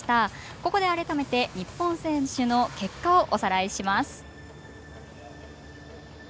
ここで改めて日本選手の結果をおさらいします。